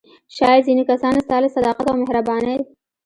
شاید ځینې کسان ستا له صداقت او مهربانۍ.